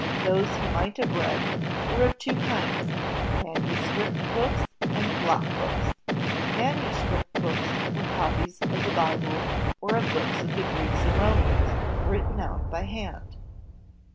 Those he might have read were of two kinds, manuscript books and block books. Manuscript books were copies of the Bible, or of books of the Greeks and Romans, written out by hand.